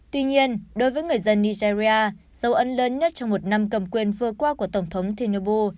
tuy nhiên đối với người dân nigeria dấu ấn lớn nhất trong một năm cầm quyền vừa qua của tổng thống thinobu